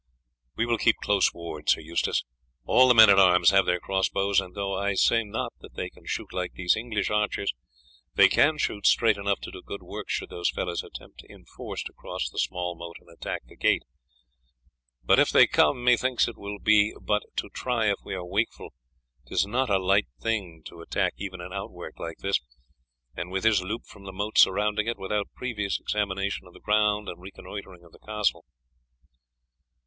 "We will keep close ward, Sir Eustace. All the men at arms have their cross bows, and though I say not that they can shoot like these English archers, they can shoot straight enough to do good work should those fellows attempt in force to cross the small moat and attack the gate. But if they come, methinks it will be but to try if we are wakeful; 'tis no light thing to attack even an outwork like this, with this loop from the moat surrounding it, without previous examination of the ground and reconnoitring of the castle."